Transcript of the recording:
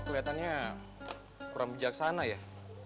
waktunya sudah sudah